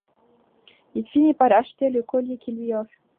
Il finit par acheter le collier qu'il lui offre.